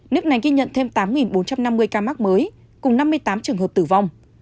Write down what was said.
nước này ghi nhận thêm tám bốn trăm năm mươi ca mắc mới cùng năm mươi tám trường hợp tử vong